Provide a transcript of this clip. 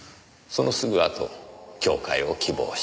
そのすぐあと教誨を希望した。